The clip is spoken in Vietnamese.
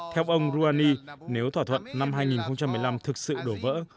theo ông rouhani nếu thỏa thuận năm hai nghìn một mươi năm thực sự đổ vỡ